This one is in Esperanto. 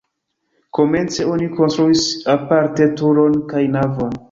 Komence oni konstruis aparte turon kaj navon.